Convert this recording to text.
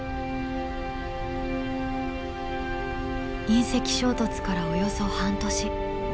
隕石衝突からおよそ半年。